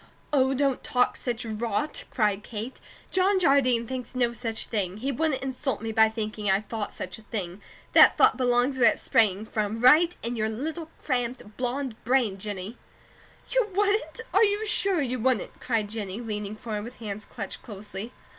"Oh, don't talk such rot!" cried Kate. "John Jardine thinks no such thing. He wouldn't insult me by thinking I thought such a thing. That thought belongs where it sprang from, right in your little cramped, blonde brain, Jennie." "You wouldn't? Are you sure you wouldn't?" cried Jennie, leaning forward with hands clutched closely.